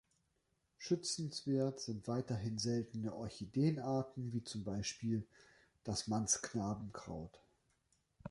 Schützenswert sind weiterhin seltene Orchideenarten, wie zum Beispiel das Manns-Knabenkraut.